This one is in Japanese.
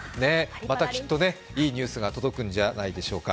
またきっといいニュースが届くじゃないでしょうか。